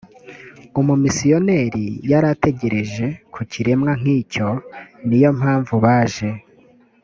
umumisiyoneri yari ategereje ku kiremwa nk icyo ni yo mpamvu baje